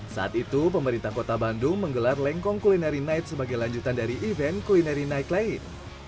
saat itu pemerintah kota bandung menggelar lengkong culinary night sebagai lanjutan dari event kulineri night lain